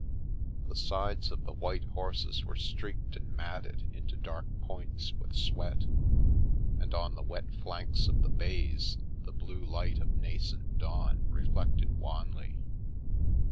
The sides of the white horses were streaked and matted into dark 212 Pan at Covent Garden points with sweat, and on the wet flanks of the bays the blue light of nascent dawn reflected wanly.